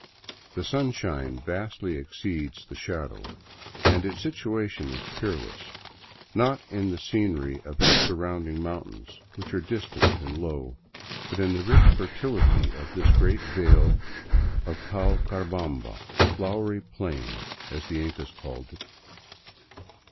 The sunshine vastly exceeds the shadow, and its situation is peerless — not in the scenery of its surrounding mountains, which are distant and low, but in the rich fertility of this great vale of Paucarbamba (" Flowery Plain"), as the Incas called it.